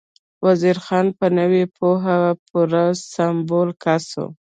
وزیر خان په نوې پوهه پوره سمبال کس و.